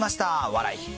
笑い。